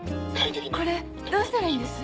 これどうしたらいいんです？